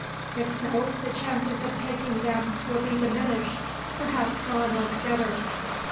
If so, the chances of taking them will be diminished perhaps gone altogether.